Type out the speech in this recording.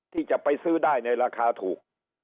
ที่จะไปซื้อได้ในราคาถูก